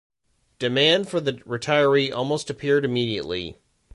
Demand for the retiree appeared almost immediately.